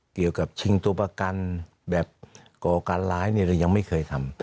เกี่ยวกับชิงตัวประกันแบบก่อการร้ายเนี่ยเรายังไม่เคยทำ